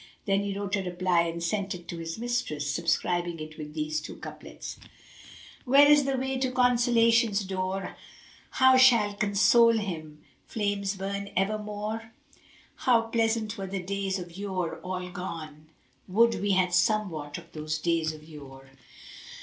Then he wrote a reply and sent it to his mistress, subscribing it with these two couplets, "Where is the way to Consolation's door * How shall console him flames burn evermore? How pleasant were the days of yore all gone: * Would we had somewhat of those days of yore!"